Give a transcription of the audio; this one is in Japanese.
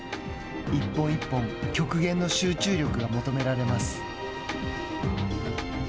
一本一本、局限の集中力が求められます。